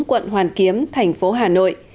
quận hoàn kiếm thành phố hà nội